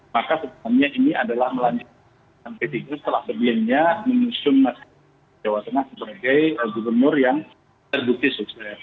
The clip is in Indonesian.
maka sebenarnya ini adalah melanjutkan ke p tiga setelah sebelumnya menusung mas jawa tengah sebagai gubernur yang terdukis